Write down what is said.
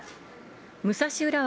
武蔵浦和